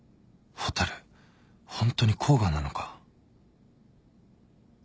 蛍ホントに甲賀なのか？